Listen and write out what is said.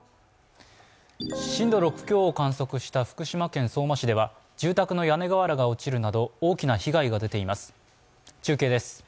震度６強を観測した福島県相馬市では住宅の屋根瓦が落ちるなど大きな被害が出ています。